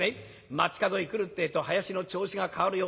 街角へ来るってえと囃子の調子が変わるよ。